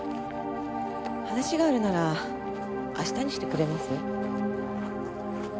話があるなら明日にしてくれます？